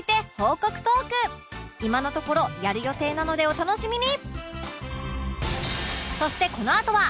今のところやる予定なのでお楽しみに！